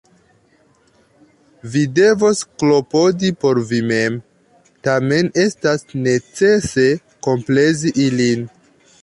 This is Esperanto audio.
Vi devos klopodi por vi mem. Tamen estas necese komplezi ilin.